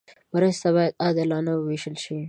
مرستې باید عادلانه وویشل شي.